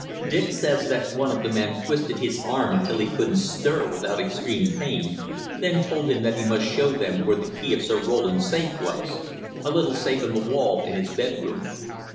Dick says that one of the men twisted his arm until he couldn't stir without extreme pain, then told him that he must show them where the key of Sir Roland's safe was a little safe in the wall in his bedroom.